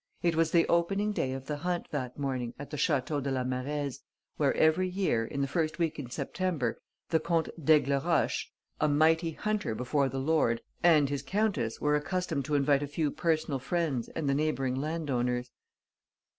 It was the opening day of the hunt that morning at the Château de la Marèze, where, every year, in the first week in September, the Comte d'Aigleroche, a mighty hunter before the Lord, and his countess were accustomed to invite a few personal friends and the neighbouring landowners.